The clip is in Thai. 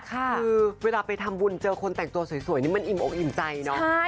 คือเวลาไปทำบุญเจอคนแต่งตัวสวยนี่มันอิ่มอกอิ่มใจเนอะ